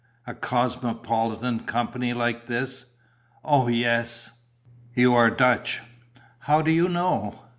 "A cosmopolitan company like this." "Oh, yes!" "You are Dutch?" "How do you know?"